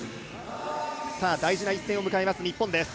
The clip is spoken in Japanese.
大事な一戦を迎えます、日本です。